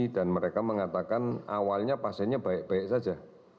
dan mereka mengatakan awalnya pasiennya baik baik saja